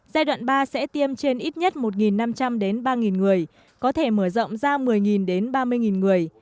giai đoạn ba sẽ tiêm trên ít nhất một năm trăm linh ba người có thể mở rộng ra một mươi đến ba mươi người